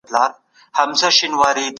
په خبرو کي به له افراط څخه ډډه کوئ.